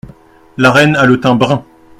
La reine a le teint brun.